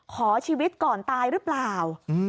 ขอชีวิตก่อนตายหรือเปล่า